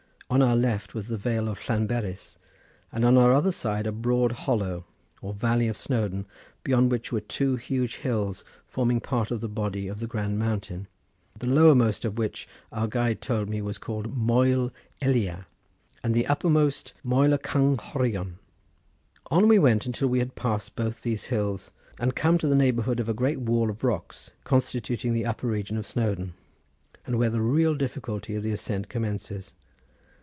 On our left was the vale of Llanberis, and on our other side a broad hollow, or valley of Snowdon, beyond which were two huge hills forming part of the body of the grand mountain, the lowermost of which our guide told me was called Moel Elia, and the uppermost Moel y Cynghorion. On we went until we had passed both these hills, and come to the neighbourhood of a great wall of rocks constituting the upper region of Snowdon, and where the real difficulty of the ascent commences.